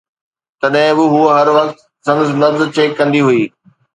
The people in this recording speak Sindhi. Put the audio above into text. تڏهن به هوءَ هر وقت سندس نبض چيڪ ڪندي هئي